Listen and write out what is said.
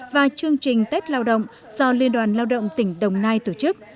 và chương trình tết lao động do liên đoàn lao động tỉnh đồng nai tổ chức